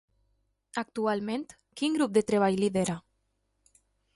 Actualment, quin grup de treball lidera?